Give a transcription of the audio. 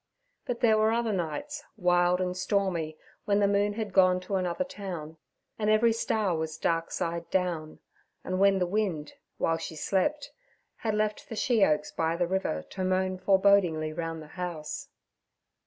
But there were other nights, wild and stormy, when the moon had gone to another town and every star was dark side down, and when the wind, while she slept, had left the she oaks by the river to moan forebodingly round the house.